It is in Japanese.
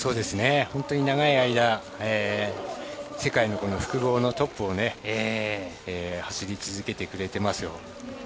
本当に長い間世界の複合のトップを走り続けてくれていますよ。